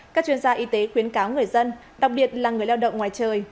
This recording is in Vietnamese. các chuyên gia y tế khuyến cáo người dân đặc biệt là người lao động ngoài trời